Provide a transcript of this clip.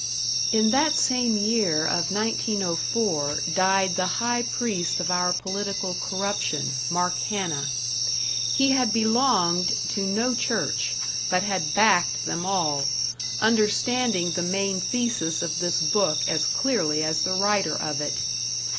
In that same year of 1904 died the high priest of our political corruption, Mark Hanna. He had belonged to no church, but had backed them all, understanding the main thesis of this book as clearly as the writer of it.